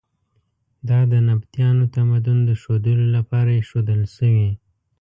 دا د نبطیانو تمدن د ښودلو لپاره ایښودل شوي.